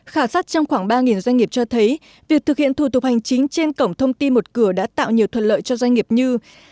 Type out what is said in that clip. khảo sát trong khoảng ba doanh nghiệp cho thấy việc thực hiện thủ tục hành chính trên cổng thông tin một cửa đã tạo nhiều thuận lợi cho doanh nghiệp như